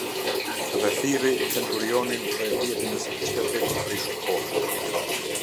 Dhe thirri centurionin dhe e pyeti nëse kishte vdekur prej shumë kohe.